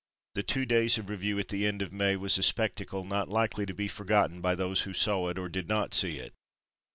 The two days of review at the end of May was a spectacle not likely to be forgotten by those who saw it or did not see it.